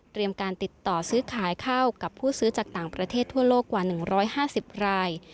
การติดต่อซื้อขายข้าวกับผู้ซื้อจากต่างประเทศทั่วโลกกว่า๑๕๐ราย